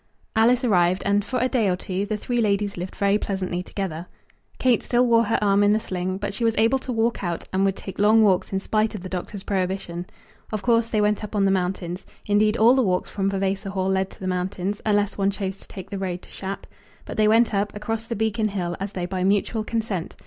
Alice arrived, and, for a day or two, the three ladies lived very pleasantly together. Kate still wore her arm in a sling; but she was able to walk out, and would take long walks in spite of the doctor's prohibition. Of course, they went up on the mountains. Indeed, all the walks from Vavasor Hall led to the mountains, unless one chose to take the road to Shap. But they went up, across the beacon hill, as though by mutual consent.